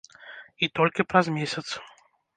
І толькі праз месяц.